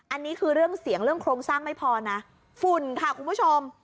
อันนี้คือเรื่องเสียงเรื่องโครงสร้างไม่พอนะฝุ่นค่ะคุณผู้ชม